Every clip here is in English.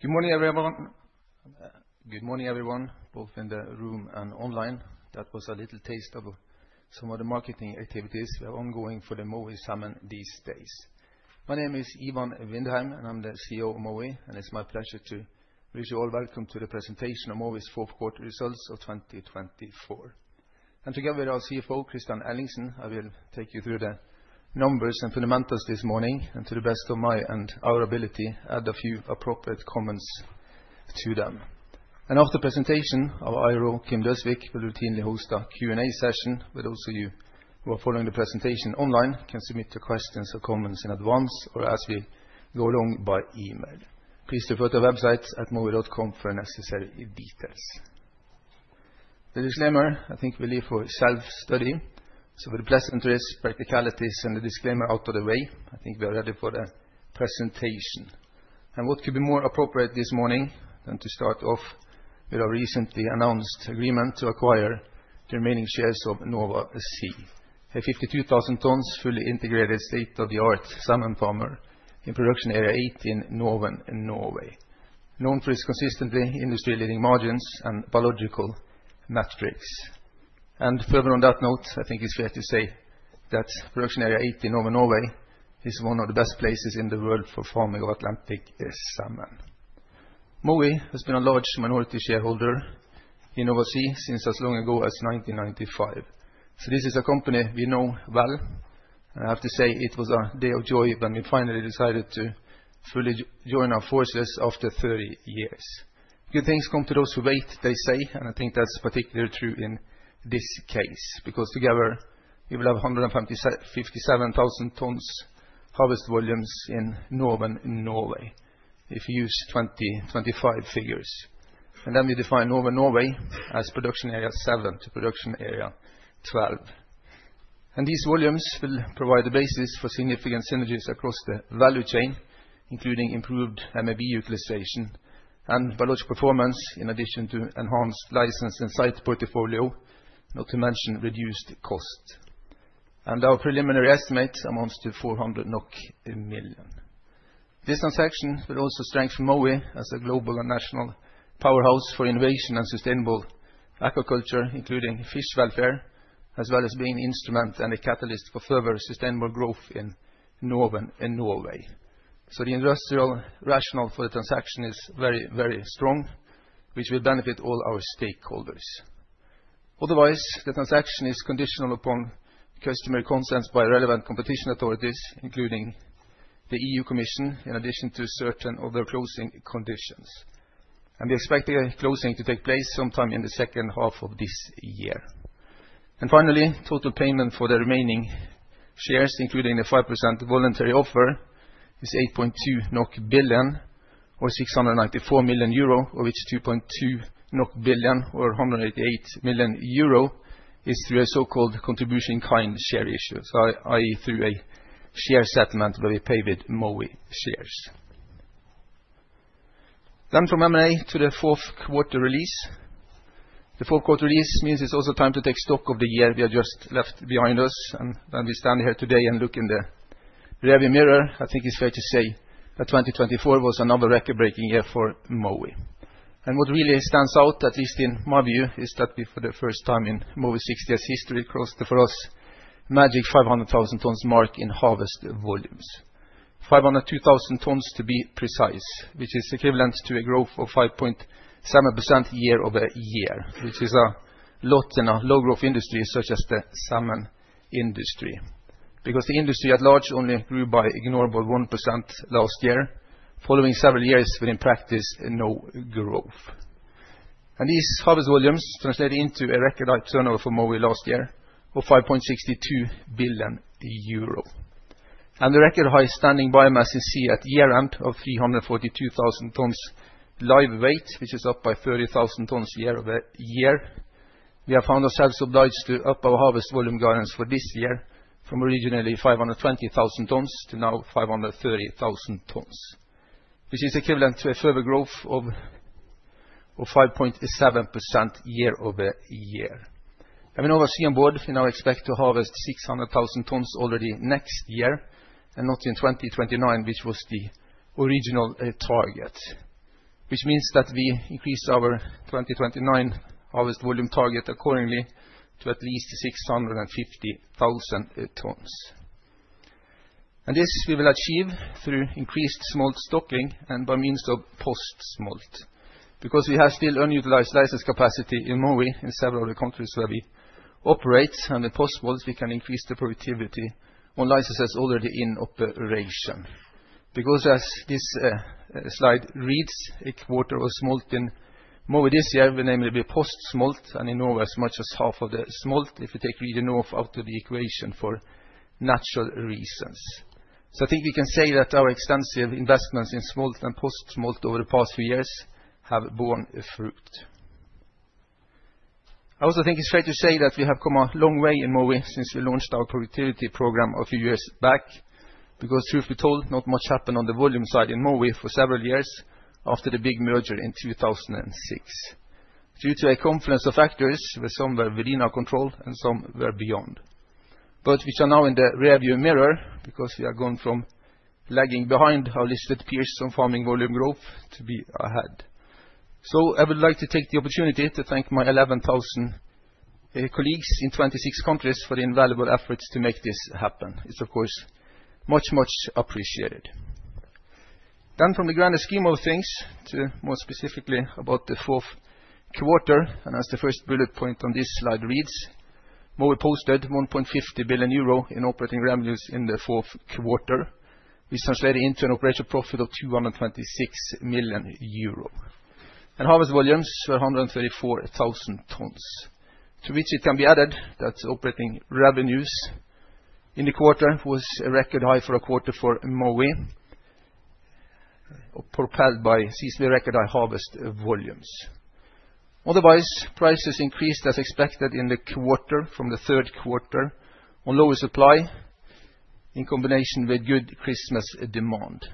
Good morning everyone, both in the room and online. That was a little taste of some of the marketing activities ongoing for the Mowi salmon these days. My name is Ivan Vindheim and I'm the CEO of Mowi and it's my pleasure to wish you all welcome to the presentation of Mowi's Fourth Quarter Results of 2024 and together with our CFO Kristian Ellingsen, I will take you through the numbers and fundamentals this morning and to the best of my and our ability add a few appropriate comments to them, and after presentation our IRO Kim Galtung Døsvig will routinely host a Q&A session where those of you who are following the presentation online can submit your questions or comments in advance or as we go along by email. Please refer to our website at mowi.com for necessary details. The disclaimer, I think we leave for self-study so for the pleasantries, practicalities and the disclaimer out of the way. I think we are ready for the presentation. What could be more appropriate this morning than to start off with our recently announced agreement to acquire the remaining shares of Nova Sea, a 52,000-tonne fully integrated, state-of-the-art salmon farmer in Production Area 8 in Norway. Norway, known for its consistently industry-leading margins and biological metrics. Further on that note, I think it's fair to say that Production Area 8, Northern Norway is one of the best places in the world for farming of Atlantic salmon. Mowi has been a large minority shareholder in Nova Sea since as long ago as 1995, so this is a company we know well. I have to say it was a day of joy when we finally decided to fully join our forces after 30 years. Good things come to those who wait, they say. I think that's particularly true in this case because together we will have 157,000 tonnes harvest volumes in Northern Norway if you use 2025 figures. Then we define Northern Norway as Production Area 7 to Production Area 12 and these volumes will provide the basis for significant synergies across the value chain including improved MAB utilization and biological performance, in addition to enhanced license and site portfolio, not to mention reduced cost and our preliminary estimate amounts to 400 million NOK. This transaction will also strengthen Mowi as a global and national powerhouse for innovation and sustainable aquaculture, including fish welfare, as well as being instrument and a catalyst for further sustainable growth in Northern Norway. So the industrial rationale for the transaction is very very strong which will benefit all our stakeholders. Otherwise the transaction is conditional upon customer consent by relevant competition authorities including the EU Commission in addition to certain other closing conditions. And we expect the closing to take place sometime in the second half of this year. And finally, total payment for the remaining shares, including the 5% voluntary offer is 8.2 billion NOK or 694 million euro of which 2.2 billion NOK or 188 million euro is through a so-called contribution in kind share issue, that is through a share settlement where we pay with Mowi shares then from Mowi to the fourth quarter release. The fourth quarter release means it's also time to take stock of the year we have just left behind us. And we stand here today and look in the rearview mirror. I think it's fair to say that 2024 was another record-breaking year for Mowi. And what really stands out, at least in my view, is that we, for the first time in Mowi's 60-year history, crossed the famous 500,000-tonne mark in harvest volumes. 502,000 tonnes to be precise, which is equivalent to a growth of 5.7% year-over-year, which is a lot in a low-growth industry such as the salmon industry, because the industry at large only grew by negligible 1% last year following several years when in practice no growth. And these harvest volumes translate into a record-high turnover for Mowi last year of 5.62 billion euro. And the record-high standing biomass in the sea at year-end of 342,000 tonnes live weight, which is up by 30,000 tonnes year-over-year. We have found ourselves obliged to up our harvest volume guidance for this year from originally 520,000 tonnes to now 530,000 tonnes, which is equivalent to a further growth of 5.7% year-over-year. Having Nova Sea on board, we now expect to harvest 600,000 tonnes already next year and not in 2029, which was the original target. Which means that we increase our 2029 harvest volume target accordingly to at least 650,000 tonnes. And this we will achieve through increased smolt stocking and by means of post-smolt because we have still unutilized license capacity in Norway, in several of the countries where we operate and at post-smolts we can increase the productivity on licenses already in operation, because as this slide reads, a quarter of smolt in Mowi this year we name it post-smolt and in Norway as much as half of the smolt if we take Northern Norway out of the equation for natural reasons. So I think we can say that our extensive investments in smolt and post-smolt over the past few years have borne fruit. I also think it's fair to say that we have come a long way in Mowi since we launched our Productivity Program a few years back. Because truth be told, not much happened on the volume side in Norway for several years after the big merger in 2006 due to a confluence of factors. Some were within our control and some were beyond, but which are now in the rear view mirror because we are going from lagging behind our listed peer farming volume growth to be ahead. So I would like to take the opportunity to thank my 11,000 colleagues in 26 countries for the invaluable efforts to make this happen. Thank you is of course much, much appreciated. Then from the grand scheme of things to more specifically about the fourth quarter and as the first bullet point on this slide reads, Mowi posted 1.50 billion euro in operating revenues in the fourth quarter, which translated into an operational profit of 226 million euro and harvest volumes were 134,000 tonnes. To which it can be added, that's operating revenues in the quarter was a record high for a quarter for Mowi, propelled by seasonal record high harvest volumes. Otherwise prices increased as expected in the quarter from the third quarter on lower supply in combination with good Christmas demand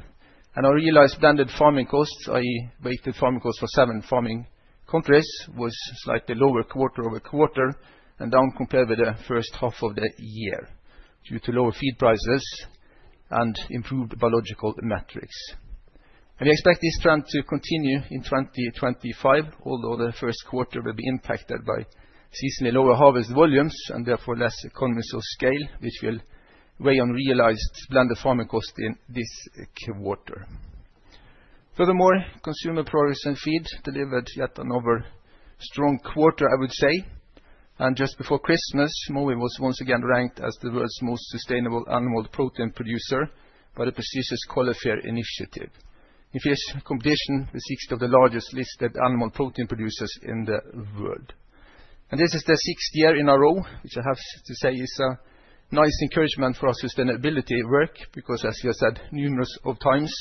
and our realized blended farming costs. The farming cost for seven farming countries was slightly lower quarter over quarter and down compared with the first half of the year due to lower feed prices and improved biological metrics. We expect this trend to continue in 2025, although the first quarter will be impacted by seasonally lower harvest volumes and therefore less economies of scale which will weigh on realized blended farming cost in this quarter. Furthermore, consumer products and feed delivered yet another strong quarter, I would say. Just before Christmas, Mowi was once again ranked as the world's most sustainable animal protein producer by the prestigious Coller FAIRR Protein Producer Index among the six largest listed animal protein producers in the world. This is the sixth year in a row, which I have to say is a nice encouragement for our sustainability work because as you said numerous of times,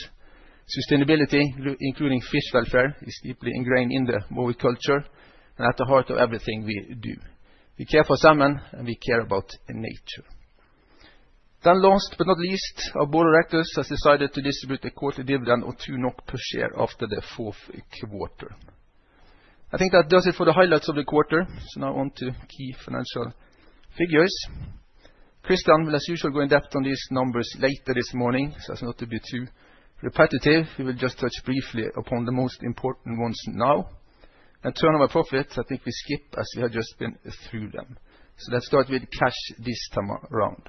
sustainability, including fish welfare, is deeply ingrained in the Mowi culture and at the heart of everything we do. We care for salmon and we care about nature. Then last but not least, our board of directors has decided to distribute a quarterly dividend of 2 NOK per share after the fourth quarter. I think that does it for the highlights of the quarter. So now on to key financial figures. Kristian will as usual go in depth on these numbers later this morning. So as not to be too repetitive, we will just touch briefly upon the most important ones now, and turnover profits I think we skip as you have just been through them. So let's start with cash this time around.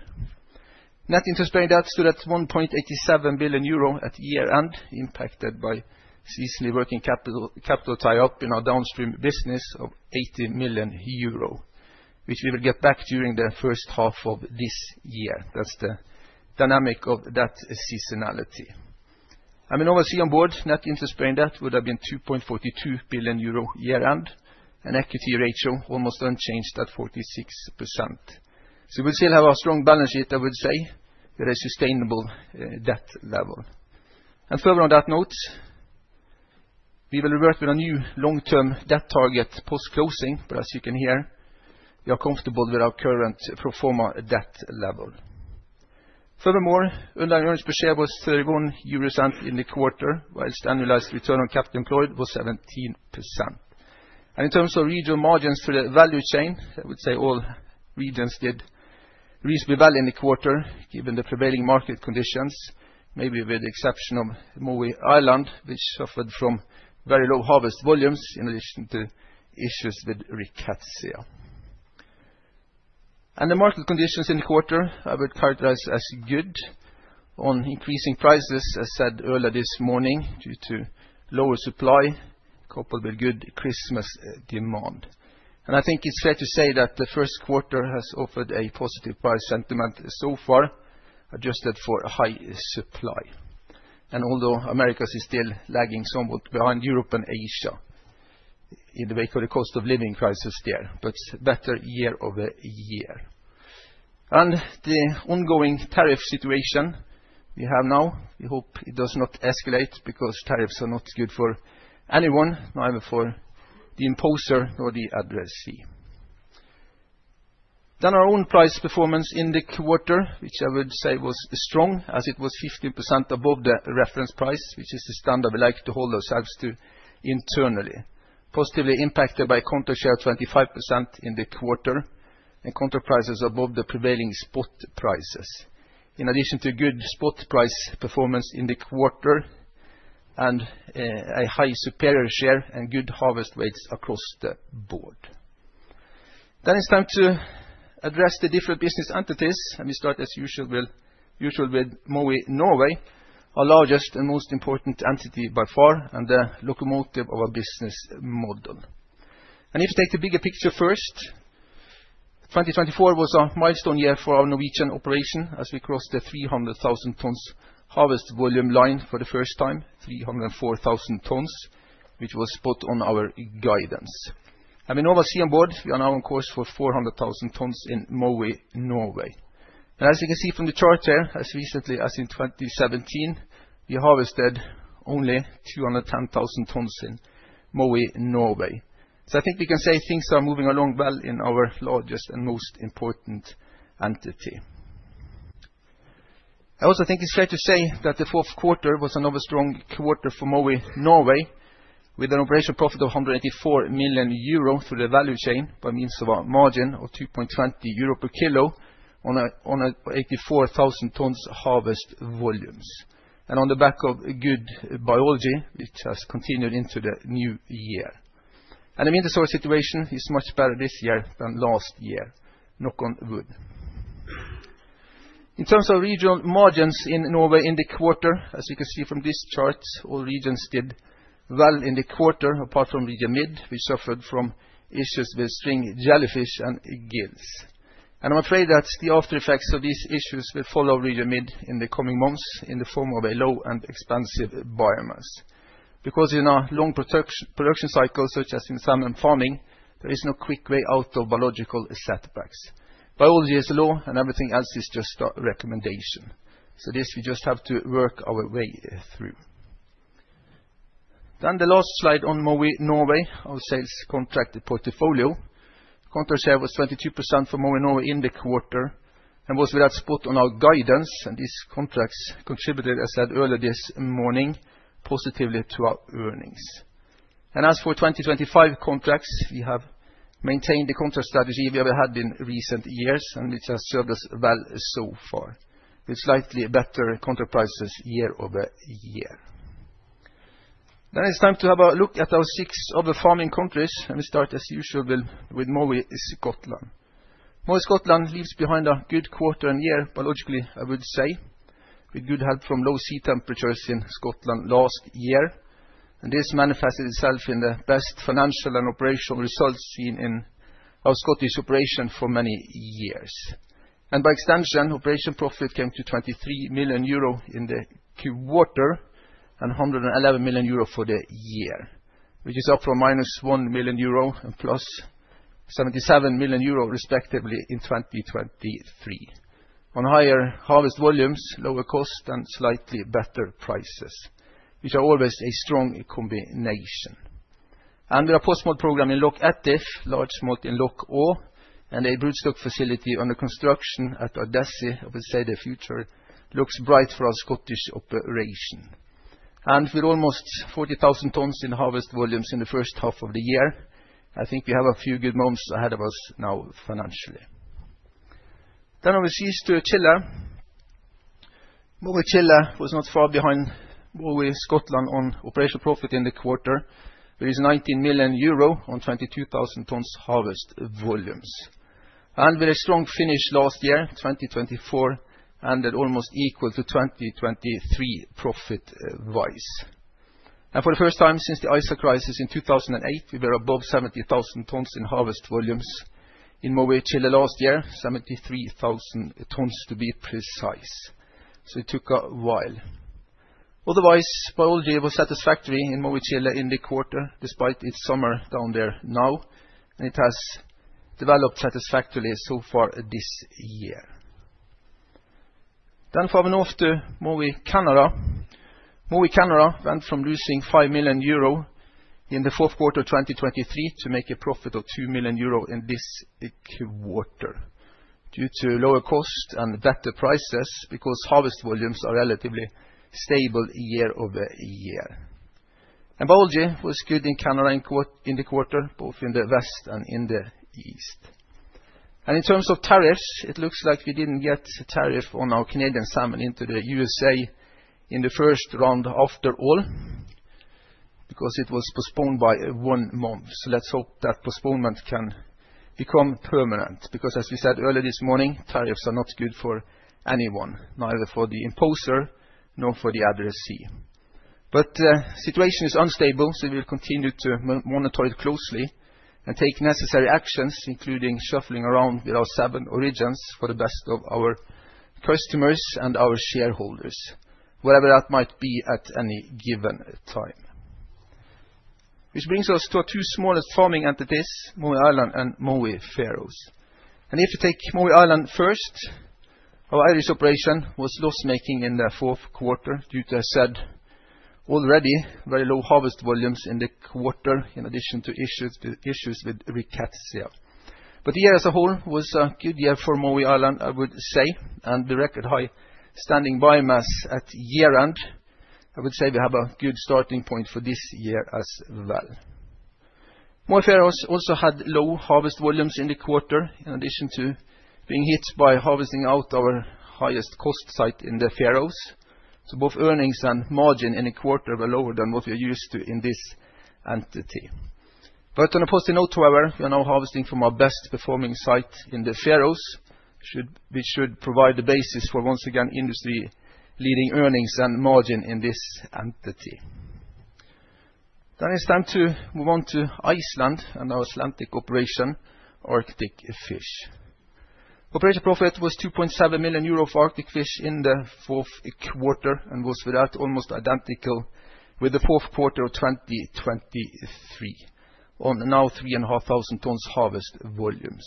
Net interest-bearing debt stood at 1.87 billion euro at year-end, impacted by seasonal working capital tie-up in our downstream business of 80 million euro which we will get back during the first half of this year. That's the dynamic of that seasonality. I mean obviously our net interest-bearing debt would have been 2.42 billion euro year-end and equity ratio almost unchanged at 46%. So we still have a strong balance sheet, I would say at a sustainable debt level. And further on that note, we will revert to a new long-term debt target post-closing. But as you can hear we are comfortable with our current pro forma debt level. Furthermore, overall earnings per share was EUR 0.31 in the quarter while annualized return on capital employed was 17%. And in terms of regional margins for the value chain, I would say all regions did reasonably well in the quarter given the prevailing market conditions. Maybe with the exception of Mowi Ireland which suffered from very low harvest volumes. In addition to issues with Rickettsia. The market conditions in the quarter, I would characterize as good on increasing prices as said earlier this morning due to lower supply coupled with good Christmas demand. I think it's fair to say that the first quarter has offered a positive price sentiment so far, adjusted for high supply. Although America is still lagging somewhat behind Europe and Asia in the wake of the cost of living crisis there, but better year-over-year and the ongoing tariff situation we have now, we hope it does not escalate because tariffs are not good for anyone, neither for the imposer nor the addressee. Our own price performance in the quarter, which I would say was strong as it was 15% above the reference price, which is the stand that we like to hold ourselves to. Internally positively impacted by contract share, 25% in the quarter and contract prices above the prevailing spot prices in addition to good spot price performance in the quarter and a high superior share and good harvest rates across the board. Then it is time to address the different business entities. Let me start as usual with Mowi Norway, our largest and most important entity by far and the locomotive of our business model. And if you take the bigger picture first, 2024 was a milestone year for our Norwegian operation as we crossed the 300,000 tonnes harvest volume line for the first time. 304,000 tonnes which was put on our guidance having Nova Sea on board we are now on course for 400,000 tonnes in Norway. Norway, as you can see from the chart here, as recently as in 2017 we harvested only 210,000 tonnes in Mowi Norway. So I think we can say things are moving along well in our largest and most important entity. I also think it's fair to say that the fourth quarter was another strong quarter for Norway with an operational profit of 184 million euro through the value chain by means of a margin of 2.20 euro per kilo on 84,000 tonnes harvest volumes. And on the back of good biology, which has continued into the new year. And the winter sores situation is much better this year than last year, knock on wood. In terms of regional margins in Norway in the quarter, as you can see from this chart, all regions did well in the quarter apart from the mid. We suffered from issues with string jellyfish and gills. And I'm afraid that the after effects of these issues will follow Region Midt in the coming months in the form of a low and expensive biomass. Because in our long production cycle, such as in salmon farming, there is no quick way out of biological setbacks. Biology is a law and everything else is just a recommendation. So this we just have to work our way through. Then the last slide on Mowi Norway, our sales contracted portfolio contract share was 22% for Mowi Norway in the quarter and was spot on our guidance. And these contracts contributed, as said earlier this morning, positively to our earnings. And as for 2025 contracts, we have maintained the contract strategy we have had in recent years and it has served us well so far with slightly better contract prices year-over-year. Then it's time to have a look at our six other farming countries and we start as usual with Mowi Scotland. Mowi Scotland leaves behind a good quarter on year biologically, I would say with good help from low sea temperatures in Scotland last year. And this manifested itself in the best financial and operational results seen in our Scottish operation for many years. And by extension, operating profit came to 23 million euro in the quarter and 111 million euro for the year, which is up from minus 1 million euro and +77 million euro respectively in 2023. On higher harvest volumes, lower cost and slightly better prices, which are always a strong combination. We have a post-smolt program in Loch Etive, large smolt in Loch Hourn, and a broodstock facility under construction at Ardessie. The future looks bright for our Scottish operation, and with almost 40,000 tonnes in harvest volumes in the first half of the year, I think we have a few good months ahead of us now financially. Then over to Chile. Mowi Chile was not far behind Mowi Norway, Scotland on operational profit in the quarter. There was 19 million euro on 22,000 tonnes harvest volumes, and with a strong finish last year 2024 and at almost equal to 2023 profit-wise for the first time since the ISA crisis in 2008. We were above 70,000 tonnes in harvest volumes in Mowi Chile last year, 73,000 tonnes to be precise. So it took a while. Otherwise biology was satisfactory in Mowi Chile in the quarter despite its summer down there now and it has developed satisfactorily so far this year, then from Q4 to Mowi Canada, Mowi Canada went from losing 5 million euro in the fourth quarter 2023 to make a profit of 2 million euro in this quarter due to lower cost and better prices because harvest volumes are relatively stable year-over-year, and biology was good in Canada in the quarter, both in the west and in the east, and in terms of tariffs, it looks like we didn't get tariff on our Canadian salmon into the USA in the first round after all because it was postponed by one month, so let's hope that postponement can become permanent because as we said earlier this morning, tariffs are not good for anyone, neither for the imposer nor for the addressee. But the situation is unstable so we'll continue to monitor it closely and take necessary actions including shuffling around with our seven origins for the best of our customers and our shareholders, whatever that might be at any given time. Which brings us to our two smallest farming entities, Mowi Ireland and Mowi Faroes. And if you take Mowi Ireland first, our Irish operation was loss making in the fourth quarter due to said already very low harvest volumes in the quarter in addition to issues with sea lice. But the year as a whole was a good year for Mowi Ireland I would say and the record high standing biomass at year end I would say we have a good starting point for this year as well. Mowi Faroes also had low harvest volumes in the quarter in addition to being hit by harvesting out our highest cost site in the Faroes. So both earnings and margin in a quarter were lower than what we're used to in this entity. But on a positive note however, we are now harvesting from our best performing site in the Faroese which should provide the basis for once again industry leading earnings and margin in this entity. Then it's time to move on to Iceland and Atlantic operation. Arctic Fish operation profit was 2.7 million euro for Arctic Fish in the fourth quarter and was almost identical with the fourth quarter of 2023. On 3,500 tonnes harvest volumes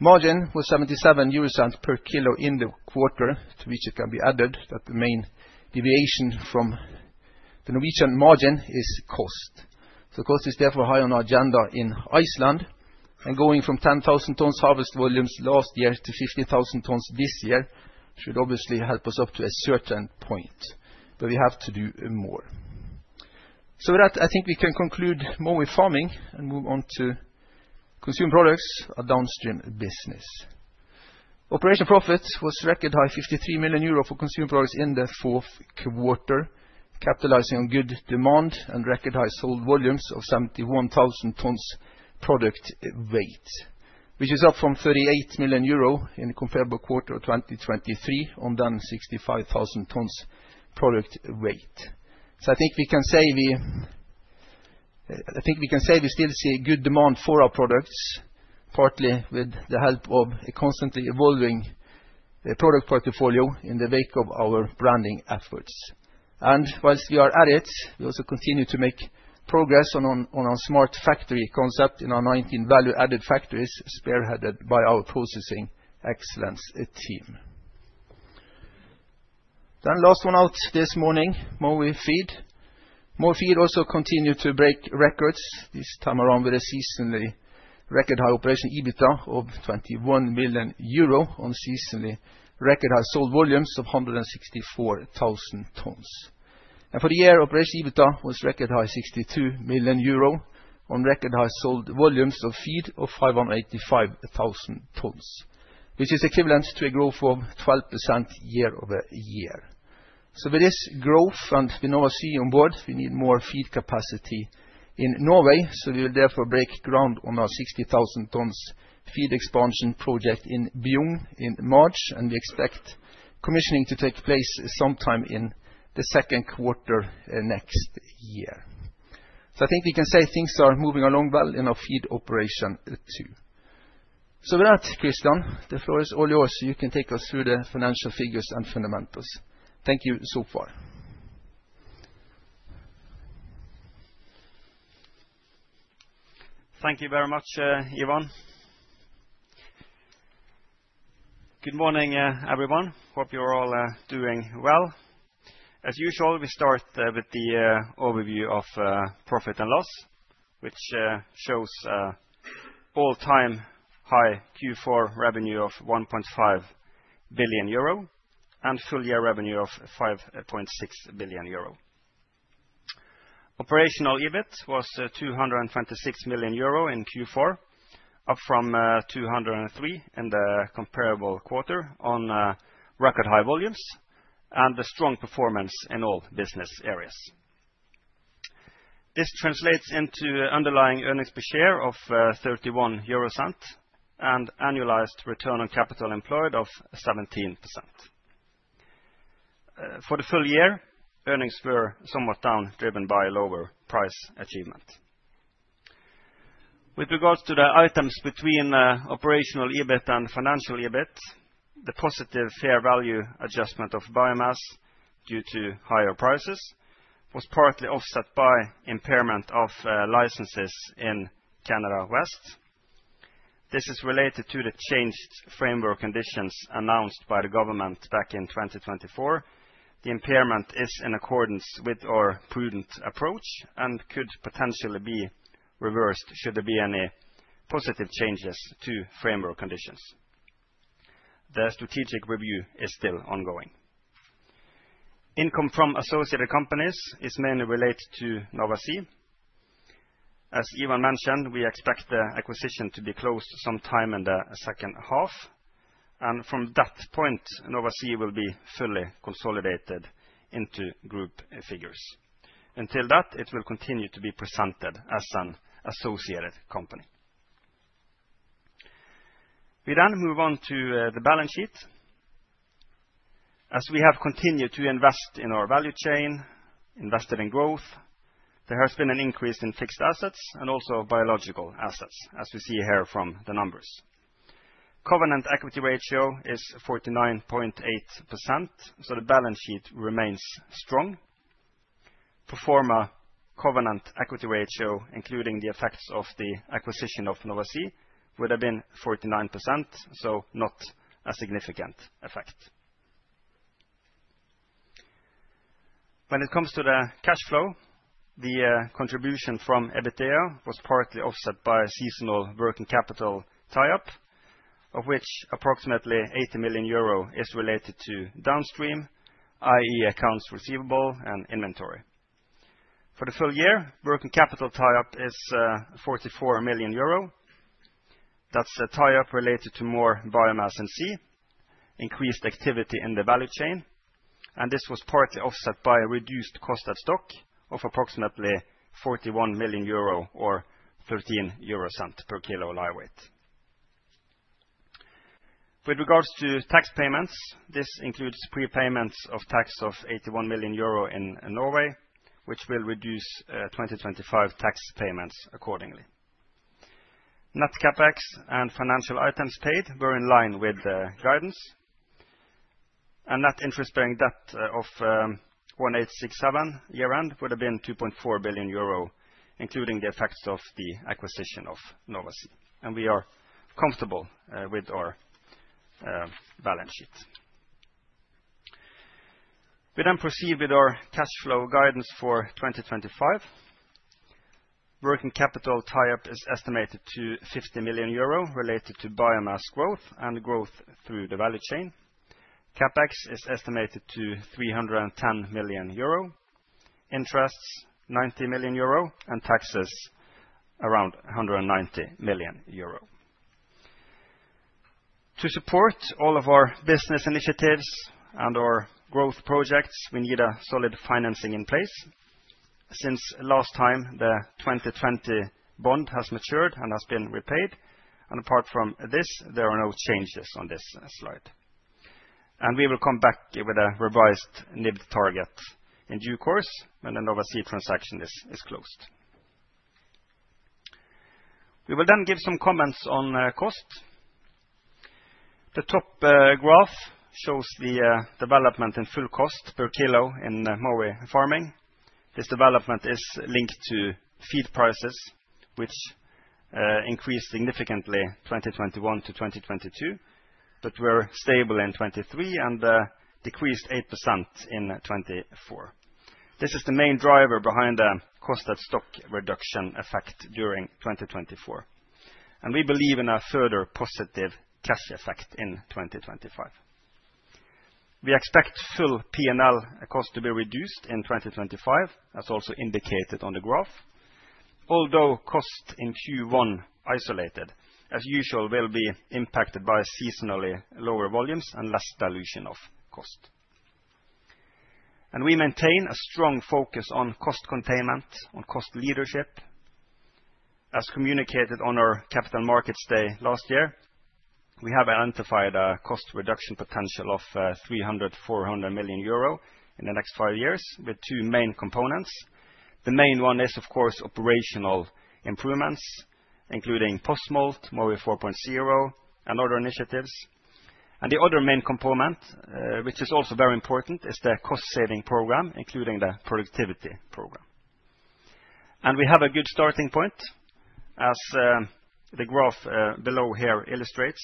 margin was 0.77 per kilo in the quarter. To which it can be added that the main deviation from the Norwegian margin is cost. So cost is therefore high on our agenda in Iceland. Going from 10,000 tonnes harvest volumes last year to 15,000 tonnes this year should obviously help us up to a certain point, but we have to do more. With that I think we can conclude more with farming and move on to consumer products, a downstream business operation. Profit was record high 53 million euro for consumer products in the fourth quarter, capitalizing on good demand and record high sold volumes of 71,000 tonnes product weight which is up from 38 million euro in the comparable quarter of 2023 on then 65,000 tonnes product weight. I think we can say we still see good demand for our products partly with the help of a constantly evolving product portfolio in the wake of our branding efforts. While we are at it, we also continue to make progress on our smart factory concept in our 19 value added factories spearheaded by our Processing Excellence Team. The last one out this morning, Mowi Feed also continued to break records this time around with a seasonally record high operational EBITDA of 21 million euro on seasonally record high sold volumes of 164,000 tonnes. For the year operational EBITDA was record high 62 million euro on record high sold volumes of feed of 585,000 tonnes which is equivalent to a growth of 12% year-over-year. With this growth and we know, as I see on board, we need more feed capacity in Norway. We will therefore break ground on our 60,000 tonnes feed expansion project in Bjugn in March and we expect commissioning to take place sometime in the second quarter next year. So I think we can say things are moving along well in our feed operation too. So with that Kristian, the floor is all yours. You can take us through the financial figures and fundamentals. Thank you so far. Thank you very much, Ivan. Good morning everyone. Hope you're all doing well as usual. We start with the overview of profit and loss which shows all-time high Q4 revenue of 1.5 billion euro and full year revenue of 5.6 billion euro. Operational EBIT was 226 million euro in Q4 up from 203 in the comparable quarter on record high volumes and the strong performance in all business areas. This translates into underlying earnings per share of 31 euro and annualized return on capital employed of 17% for the full year. Earnings were somewhat down driven by lower price achievement with regards to the items between operational EBIT and financial EBIT. The positive fair value adjustment of biomass due to higher prices was partly offset by impairment of licenses in Canada West. This is related to the changed framework conditions announced by the government back in 2024. The impairment is in accordance with our prudent approach and could potentially be reversed should there be any positive changes to framework conditions. The strategic review is still ongoing. Income from associated companies is mainly related to Nova Sea. As Ivan mentioned, we expect the acquisition to be closed sometime in the second half and from that point Nova Sea will be fully consolidated into group figures. Until that it will continue to be presented as an associated company. We then move on to the balance sheet as we have continued to invest in our value chain. Invested in growth, there has been an increase in fixed assets and also biological assets as we see here from the numbers. Core equity ratio is 49.8% so the balance sheet remains strong. Performing covenant equity ratio including the effects of the acquisition of Nova Sea would have been 49% so not as significant effect when it comes to the cash flow. The contribution from EBITDA was partly offset by a seasonal working capital tie-up of which approximately 80 million euro is related to downstream that is accounts receivable and inventory for the full year. Working capital tie-up is 44 million euro. That's a tie-up related to more biomass in sea increased activity in the value chain and this was partly offset by a reduced cost at stock of approximately 41 million euro or 0.13 per kilo live weight with regards to tax payments. This includes prepayments of tax of 81 million euro in Norway which will reduce 2025 tax payments accordingly. Net CapEx and financial items paid were in line with guidance, and net interest-bearing debt at year-end would have been 2.4 billion euro including the effects of the acquisition of Nova Sea, and we are comfortable with our balance sheet. We then proceed with our cash flow guidance for 2025. Working capital tie-up is estimated to 50 million euro related to biomass growth and growth through the value chain. CapEx is estimated to 310 million euro, interest 90 million euro and taxes around 190 million euro to support all of our business initiatives and or growth projects. We need a solid financing in place. Since last time the 2020 bond has matured and has been repaid and apart from this there are no changes on this slide, and we will come back with a revised NIBD target in due course when a Nova Sea transaction is closed. We will then give some comments on costs. The top graph shows the development in full cost per kilo in Mowi farming. This development is linked to feed prices which increased significantly 2021 to 2022 but were stable in 2023 and decreased 8% in 2024. This is the main driver behind the cost in stock reduction effect during 2024 and we believe in a further positive cash effect in 2025. We expect full P&L cost to be reduced in 2025 as also indicated on the graph, although cost in Q1 isolated as usual will be impacted by seasonally lower volumes and less dilution of cost and we maintain a strong focus on cost containment on cost leadership as communicated on our capital markets day last year. We have identified a cost reduction potential of 300 million-400 million euro in the next five years with two main components. The main one is of course operational improvements including post-smolt, Mowi 4.0 and other initiatives and the other main component which is also very important is the cost saving program including the productivity program. We have a good starting point. As the graph below here illustrates,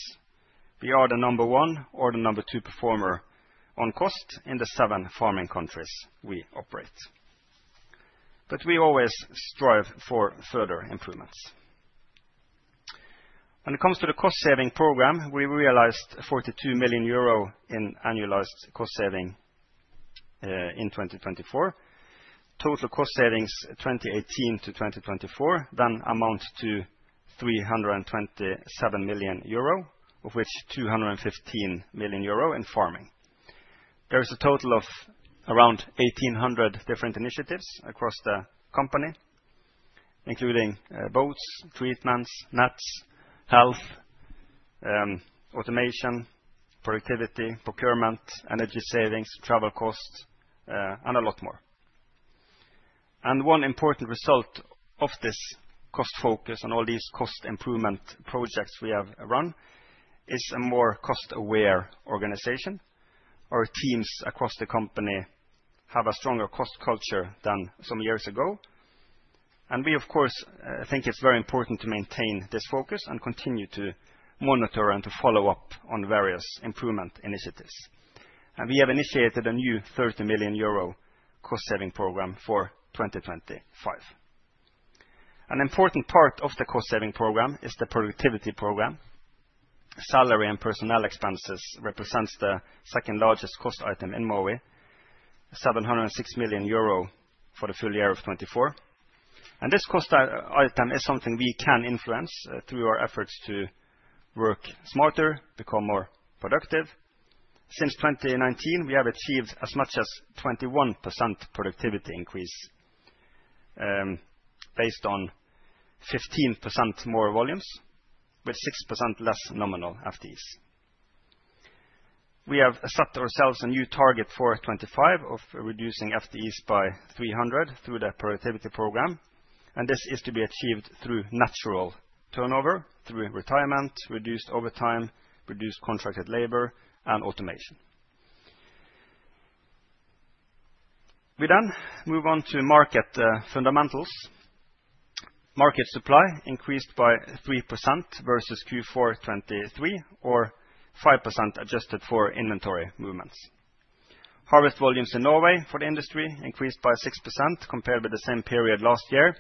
we are the number one or the number two performer on cost in the seven farming countries we operate, but we always strive for further improvements when it comes to the cost saving program. We realized 42 million euro in annualized cost saving in 2024. Total cost savings 2018-2024 then amount to 327 million euro of which 215 million euro in farming. There is a total of around 1,800 different initiatives across the company including boats, treatments, nets, health, automation, productivity, procurement, energy savings, travel costs and a lot more. One important result of this cost focus and all these cost improvement projects we have run is a more cost aware organization. Our teams across the company have a stronger cost culture than some years ago and we of course think it's very important to maintain this focus and continue to monitor and to follow up on various improvement initiatives and we have initiated a new 30 million euro cost saving program for 2025. An important part of the cost saving program is the productivity program. Salary and personnel expenses represents the second largest cost item in Norway, 706 million euro for the full year of 2024 and this cost item is something we can influence through our efforts to work smarter, become more productive. Since 2019 we have achieved as much as 21% productivity increase based on 15% more volumes with 6% less nominal FTEs. We have set ourselves a new target for 2025 of reducing FTEs by 300 through their Productivity Program. And this is to be achieved through natural turnover through retirement, reduced overtime, reduced contracted labor and automation. We then move on to market fundamentals. Market supply increased by 3% versus Q4 2023 or 5% adjusted for inventory movements. Harvest volumes in Norway for the industry increased by 6% compared with the same period last year.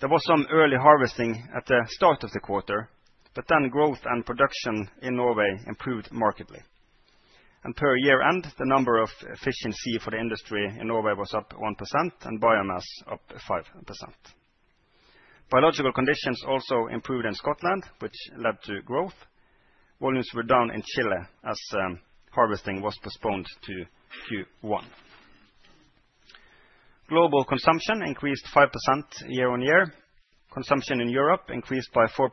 There was some early harvesting at the start of the quarter, but then growth and production in Norway improved markedly and by year end the number of efficiency for the industry in Norway was up 1% and biomass up 5%. Biological conditions also improved in Scotland which led to growth. Volumes were down in Chile as harvesting was postponed to Q1. Global consumption increased 5%. Year on year consumption in Europe increased by 4%.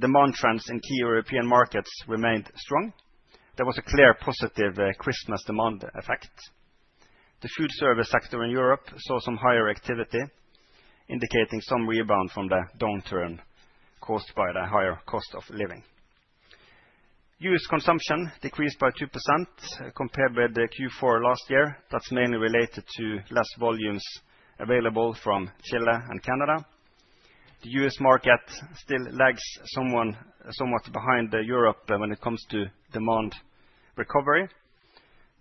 Demand trends in key European markets remained strong. There was a clear positive Christmas demand effect. The food service sector in Europe saw some higher activity, indicating some rebound from the downturn caused by the higher cost of living. US consumption decreased by 2% compared with Q4 last year. That's mainly related to less volumes available from Chile and Canada. The US market still lags somewhat behind Europe when it comes to demand recovery.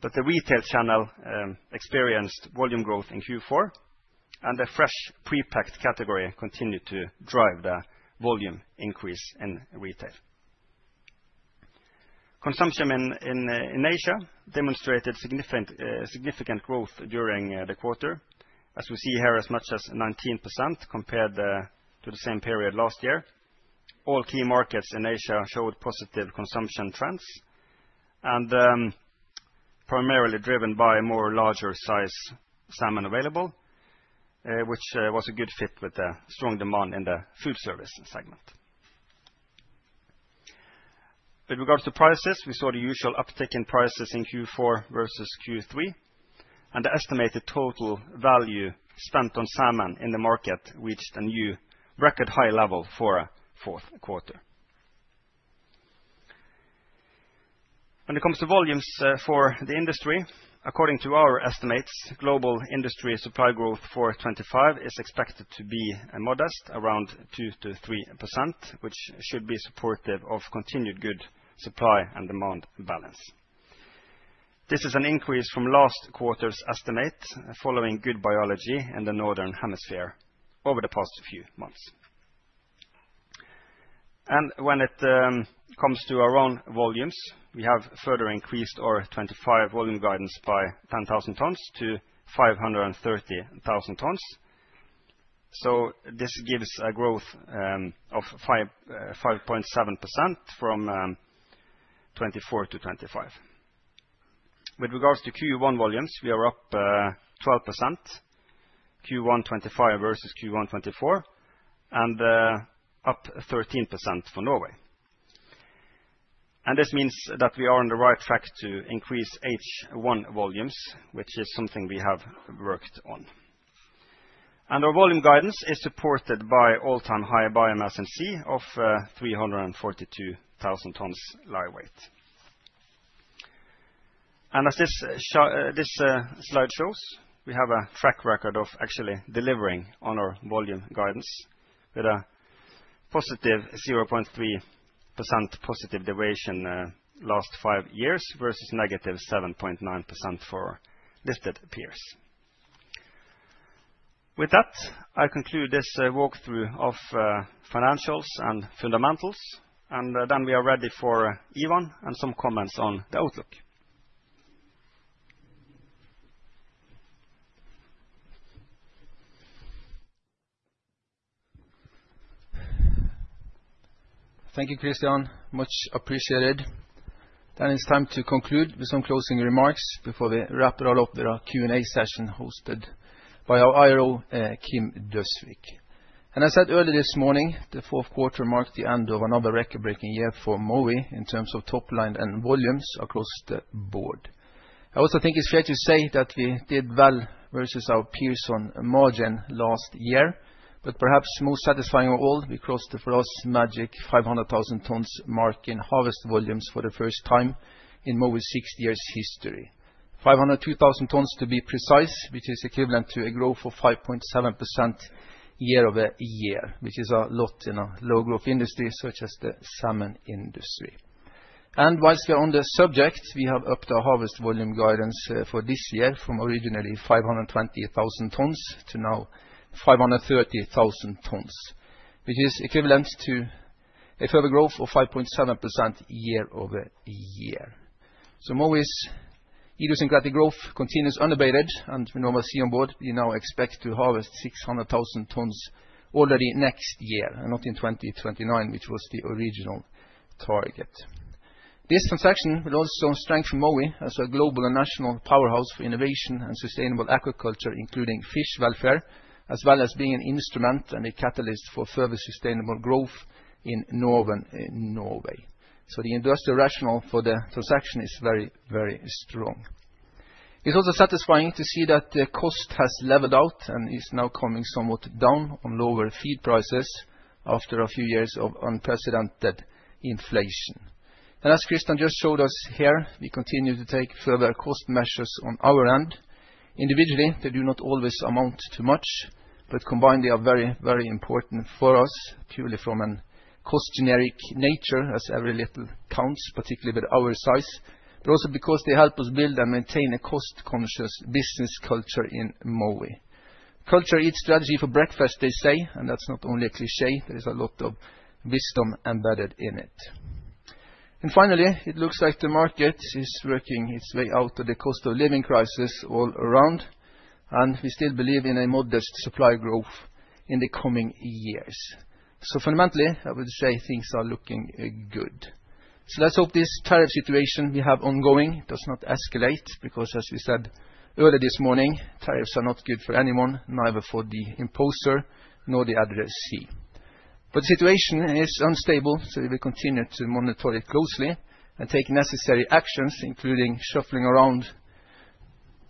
But the retail channel experienced volume growth in Q4 and the fresh pre-packed category continued to develop drive. The volume increase in retail consumption in Asia demonstrated significant growth during the quarter as we see here as much as 19% compared to the same period last year. All key markets in Asia showed positive consumption trends and primarily driven by more larger size salmon available which was a good fit with the strong demand in the foodservice segment. With regards to prices, we saw the usual uptick in prices in Q4 versus Q3 and the estimated total value spent on salmon in the market reached a new record high level for a fourth quarter. When it comes to volumes for the industry, according to our estimates, global industry supply growth for 2025 is expected to be modest around 2%-3% which should be supportive of continued good supply and demand balance. This is an increase from last quarter's estimate following good biology in the northern hemisphere over the past few months. When it comes to our own volumes, we have further increased our 2025 volume guidance by 10,000 tonnes to 530,000 tonnes. This gives a growth of 5.7% from 2024 to 2025. With regards to Q1 volumes, we are up 12% Q1 2025 versus Q1 2024 and up 13% for Norway. This means that we are on the right track to increase H1 volumes, which is something we have worked on and our volume guidance is supported by all-time high biomass in sea of 342,000 tonnes live weight. As this slide shows we have a track record of actually delivering on our volume guidance with a positive 0.3% deviation last five years versus negative 7.9% for listed peers. With that I conclude this walkthrough of financials and fundamentals and then we are ready for Ivan and some comments on the outlook. Thank you, Kristian. Much appreciated. Then it's time to conclude with some closing remarks before we wrap it all up with our Q&A session hosted by our IRO Kim Døsvig. I said earlier this morning, the fourth quarter marked the end of another record-breaking year for Mowi in terms of top line and volumes across the board. I also think it's fair to say that we did well versus our previous margin last year. But perhaps most satisfying of all, we crossed the 500,000-tonnes mark in harvest volumes for the first time in more than 50 years' history. 502,000 tonnes to be precise, which is equivalent to a growth of 5.7% year-over-year, which is a lot in a low growth industry such as the salmon industry. And while we are on the subject, we have upped our harvest volume guidance for this year from originally 520,000 tonnes to now 530,000 tonnes, which is equivalent to a further growth of 5.7% year-over-year. So Mowi's idiosyncratic growth continues unabated and we normally see on board. We now expect to harvest 600,000 tonnes already next year, not in 2029 which was the original. This transaction will also strengthen Mowi as a global and national powerhouse for innovation and sustainable agriculture, including fish welfare, as well as being an instrument and a catalyst for further sustainable growth in Northern Norway. So the industrial rationale for the transaction is very, very strong. It's also satisfying to see that the cost has leveled out and is now coming somewhat down on lower feed prices after a few years of unprecedented inflation. As Kristian just showed us here, we continue to take further cost measures on our end. Individually they do not always amount to much, but combined they are very, very important for us purely from a cost generic nature as every little counts, particularly with our size, but also because they help us build and maintain a cost conscious business culture in Mowi. Culture eats strategy for breakfast, they say. That's not only a cliché, there is a lot of wisdom embedded in it. Finally it looks like the market is working its way out of the cost of living crisis all around and we still believe in a modest supply growth in the coming years. Fundamentally I would say things are looking good. Let's hope this tariff situation we have ongoing does not escalate because as we said early this morning, tariffs are not good for anyone, neither for the exporter nor the importer. But the situation is unstable. We will continue to monitor it closely and take necessary actions, including shuffling around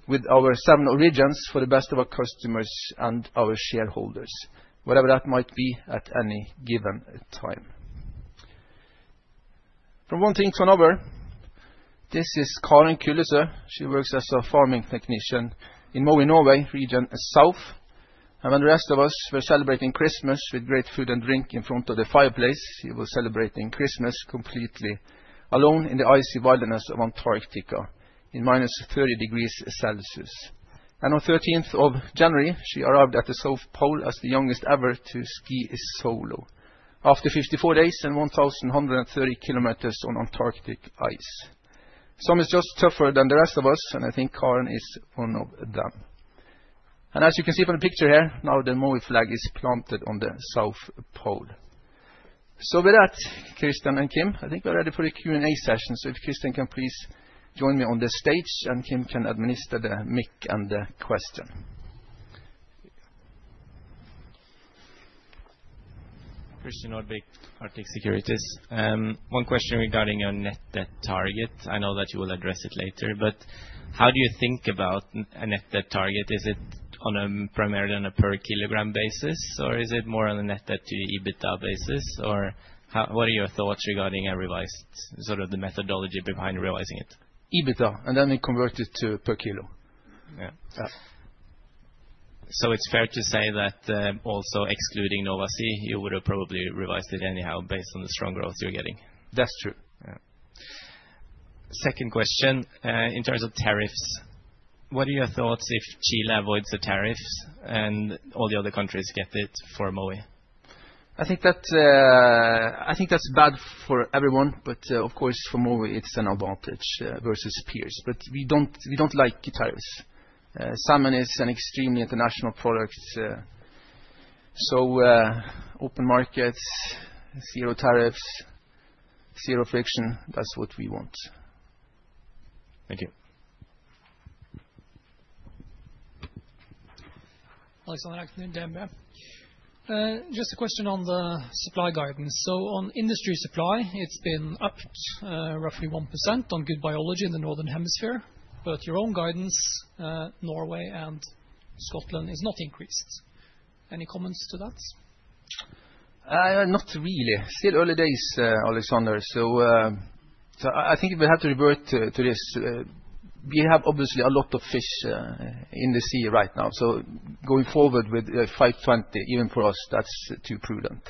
with our seven origins for the best of our customers and our shareholders, whatever that might be at any given time, from one thing to another. This is Karin Kjølmoen. She works as a farming technician in Mowi Norway, Region South, and when the rest of us were celebrating Christmas with great food and drink in front of the fireplace, she was celebrating Christmas completely alone in the icy wilderness of Antarctica in -30 degrees Celsius. On 13th of January she arrived at the South Pole as the youngest ever to ski solo after 54 days and 1,130 km on Antarctic ice. She is just tougher than the rest of us and I think Karin is one of them. As you can see from the picture here now, the Mowi flag is planted on the South Pole. With that Kristian and Kim, I think we're ready for the Q&A session. If Kristian can please join me on the stage and Kim can administer the mic and the question. Christian Nordby, Arctic Securities. One question regarding your net debt target. I know that you will address it later, but how do you think about a net debt target? Is it primarily on a per kg basis or is it more on a net debt to EBITDA basis? Or what are your thoughts regarding a revised sort of the methodology behind realizing. It's EBITDA and then we convert it to per kilo. So it's fair to say that also excluding Nova Sea, you would have probably revised it anyhow based on the strong growth you're getting. That's true. Second question in terms of tariffs, what are your thoughts if Chile avoids the tariffs and all the other countries get it? For Mowi, I think that's bad for everyone. But of course for Mowi it's an advantage versus peers. But we don't like quotas. Salmon is an extremely international product. So open market, zero tariffs, zero friction. That's what we want. Thank you. Alexander Aukner, just a question on the supply guidance. So on industry supply it's been up to roughly 1% on good biology in the Northern hemisphere, but your own guidance, Norway and Scotland is not increased. Any comments to that? Not really. Still early days, Alexander. So I think if we have to revert to this, we have obviously a lot of fish in the sea right now. So going forward with 520, even for us, that's too prudent.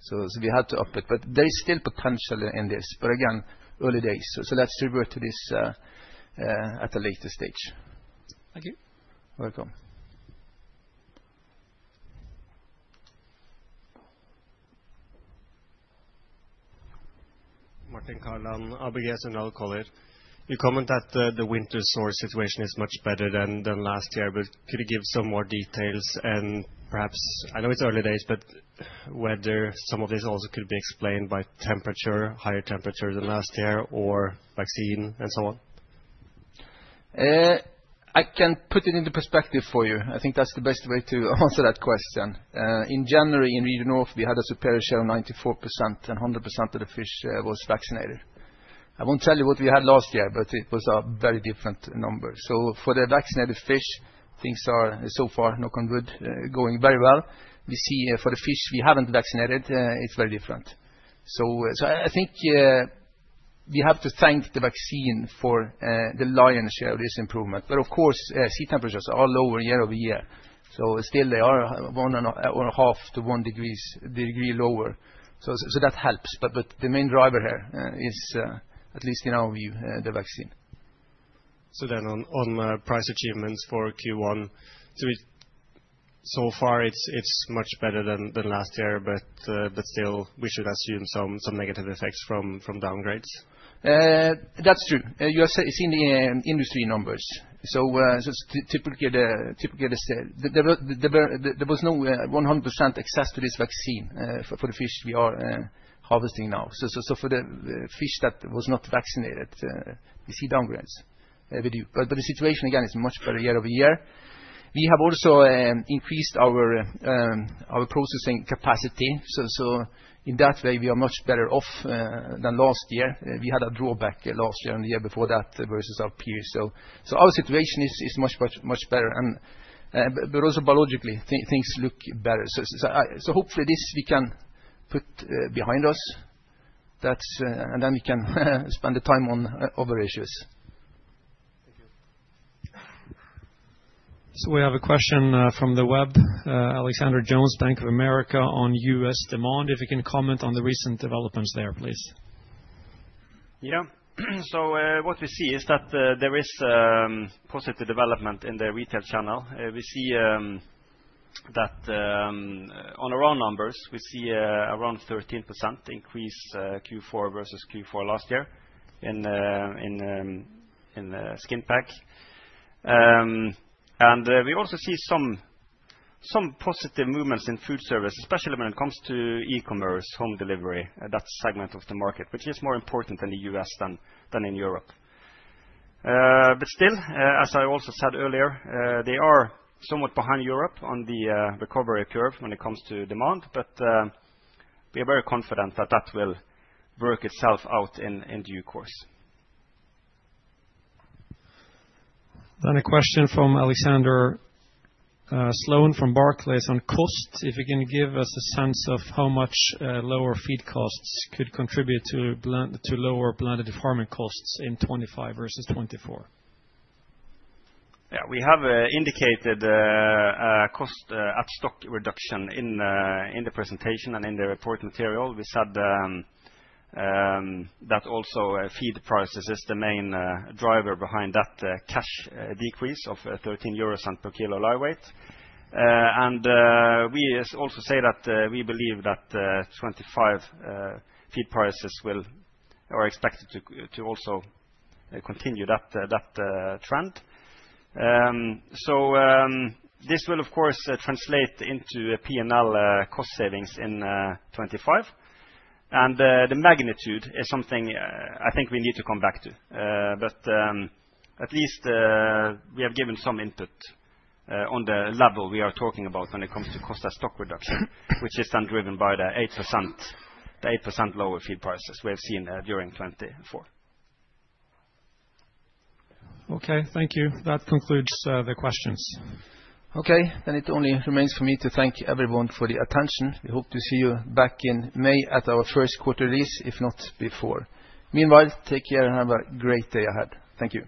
So we had to up it. But there is still potential in this. But again, early days, so let's revert to this at a later stage. Thank you. Welcome. Martin Kaland, you comment that the winter sores situation is much better than last year, but could you give some more details? And perhaps, I know it's early days, but whether some of this also could be explained by temperature, higher temperature than last year, or vaccine and so on. I can put it into perspective for you. I think that's the best way to answer that question. In January in Region North, we had a survival share of 94% and 100% of the fish was vaccinated. I won't tell you what we had last year, but it was a very different number. So for the vaccinated fish, things are so far going very well. We see for the fish we haven't vaccinated, it's very different. So I think we have to thank the vaccine for the lion's share of this improvement. But of course, sea temperatures are lower year-over-year, so still they are one and a half to one degree lower. So that helps. But the main driver here is, at least in our view, the vaccine. So then on price achievements for Q1 so far, it's much better than last year, but still we should assume some negative effects from downgrades. That's true. You have seen the industry numbers, so typically there was no 100% access to this vaccine for the fish we are harvesting now. So for the fish that was not vaccinated, we see downgrades. But the situation again is much better year-over-year. We have also increased our processing capacity. So in that way we are much better off than last year. We had a drawback last year and the year before that versus our peers. So our situation is much better. But also biologically things look better. So hopefully this we can put behind us and then we can spend the time on other issues. We have a question from the web. Alexander Jones, Bank of America on U.S. Demand. If you can comment on the recent developments there, please. Yeah. So what we see is that there is positive development in the retail channel. We see that on our own numbers, we see around 13% increase Q4 versus Q4 last year in skin pack. And we also see some positive movements in food service, especially when it comes to E-commerce home delivery, that segment of the market which is more important in the U.S. than in Europe. But still, as I also said earlier, they are somewhat behind Europe on the recovery curve when it comes to demand. But we are very confident that that will work itself out in due course. Then a question from Alexander Sloane from Barclays on cost. If you can give us a sense of how much lower feed costs could contribute to lower planetary farming costs in 2025 versus 2024. We have indicated cost at stock reduction in the presentation and in the report material we said that also feed prices is the main driver behind that cost decrease of 0.13 euros per kilo liveweight. And we also say that we believe that 2025 feed prices are expected to also continue that trend. So this will of course translate into a P&L cost savings in 2025 and the magnitude is something I think we need to come back to. But at least we have given some input on the level we are talking about when it comes to cost at stock reduction, which is then driven by the 8% lower feed prices we have seen during 2024. Okay, thank you. That concludes the questions. Okay then, it only remains for me to thank everyone for the attention. We hope to see you back in May at our first quarter release, if not before. Meanwhile, take care and have a great day ahead. Thank you.